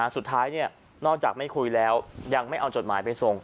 นอกจากไม่คุยแล้วยังไม่เอาจดหมายไปส่ง